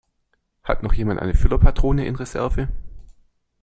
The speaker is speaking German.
Hat noch jemand eine Füllerpatrone in Reserve?